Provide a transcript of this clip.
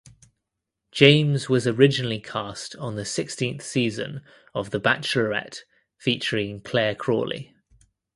James was originally cast on the sixteenth season of "The Bachelorette" featuring Clare Crawley.